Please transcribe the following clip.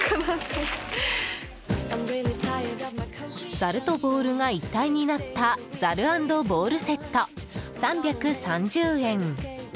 ザルとボウルが一体になったザル＆ボウルセット、３３０円。